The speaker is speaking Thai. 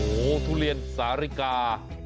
โอ้โหทุเรียนสาฬิกา